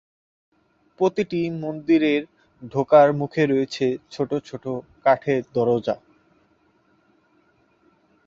প্রতিটি মন্দিরে ঢোকার মুখে রয়েছে ছোট ছোট কাঠের দরজা।